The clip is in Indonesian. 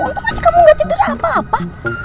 untung aja kamu gak cedera apa apa